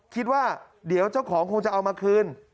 คิดว่าเดี๋ยวเจ้าของคงจะเอามาคืน